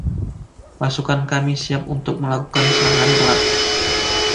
Pasukan kami siap untuk melakukan serangan berat.